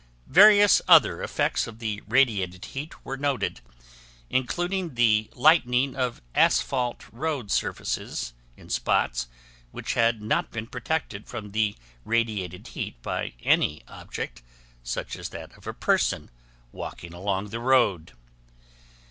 Various other effects of the radiated heat were noted, including the lightening of asphalt road surfaces in spots which had not been protected from the radiated heat by any object such as that of a person walking along the road.